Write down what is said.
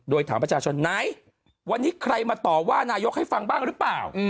โดยถามประชาชนไหนวันนี้ใครมาต่อว่านายกให้ฟังบ้างหรือเปล่า